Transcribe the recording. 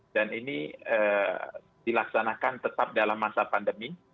dan ini dilaksanakan tetap dalam masa pandemi